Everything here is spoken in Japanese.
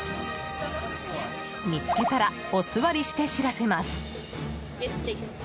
見つけたらお座りして知らせます。